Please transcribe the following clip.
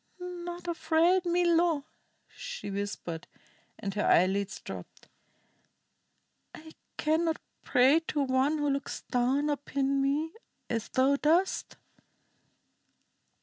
"Not afraid, Milo," she whispered, and her eyelids drooped. "I cannot pray to one who looks down upon me as thou dost."